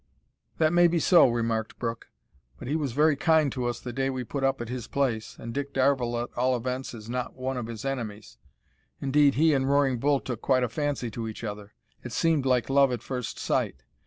"That may be so," remarked Brooke, "but he was very kind to us the day we put up at his place, and Dick Darvall, at all events, is not one of his enemies. Indeed he and Roaring Bull took quite a fancy to each other. It seemed like love at first sight.